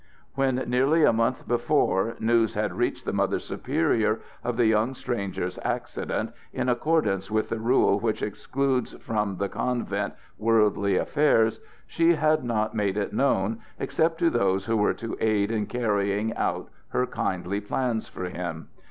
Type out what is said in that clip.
When, nearly a month before, news had reached the Mother Superior of the young stranger's accident, in accordance with the rule which excludes from the convent worldly affairs, she had not made it known except to those who were to aid in carrying out her kindly plans for him.